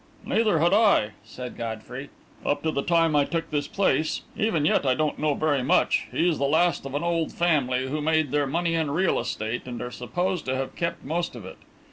"Neither had I," said Godfrey, "up to the time I took this place. Even yet, I don't know very much. He's the last of an old family, who made their money in real estate, and are supposed to have kept most of it.